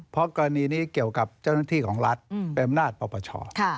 เพราะกรณีนี้เกี่ยวกับเจ้าหน้าที่ของรัฐเป็นอำนาจปปช